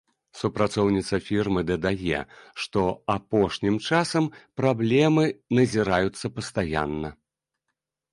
Супрацоўніца фірмы дадае, што апошнім часам праблемы назіраюцца пастаянна.